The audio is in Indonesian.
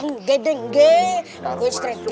enggak enggak enggak